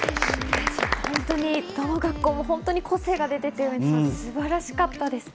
本当にどの学校も個性が出ていて素晴らしかったですね。